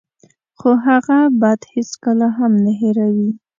خو هغه بد هېڅکله هم نه هیروي.